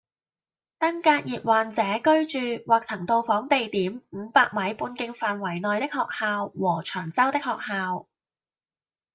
登革熱患者居住或曾到訪地點五百米半徑範圍內的學校和長洲的學校